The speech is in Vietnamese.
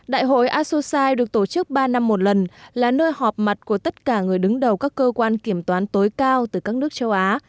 đại hội asosai được tổ chức ba năm một lần là nơi họp mặt của tất cả người đứng đầu các cơ quan kiểm toán tối cao từ các nước châu á